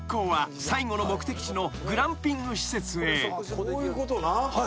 こういうことな。